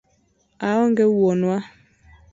Aonge wuonwa